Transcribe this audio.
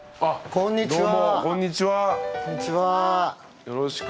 こんにちは。